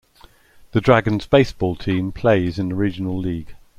The Dragons baseball team plays in the Regional League.